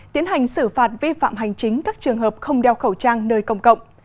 tiến hành xử phạt vi phạm hành chính các trường hợp không đeo khẩu trang nơi công cộng